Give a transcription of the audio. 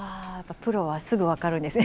プロはすぐ分かるんですね。